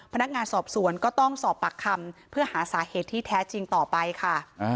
พนักงานสอบสวนก็ต้องสอบปากคำเพื่อหาสาเหตุที่แท้จริงต่อไปค่ะ